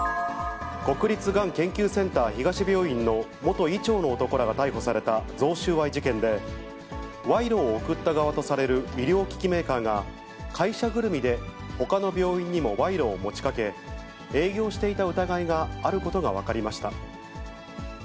国立がん研究センター東病院の元医長の男らが逮捕された贈収賄事件で、賄賂を贈った側とされる医療機器メーカーが、会社ぐるみでほかの病院にも賄賂を持ちかけ、営業していた疑いがあることが分かりました。